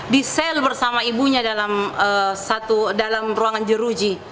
di sel bersama ibunya dalam ruangan jeruji